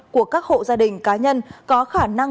của các hộ gia đình cá nhân có khả năng